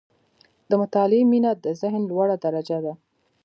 • د مطالعې مینه، د ذهن لوړه درجه ده.